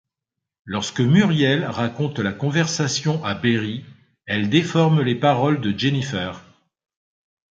Lorsque Muriel raconte la conversation à Berry, elle déforme les paroles de Jennifer.